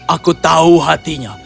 aku tahu hatinya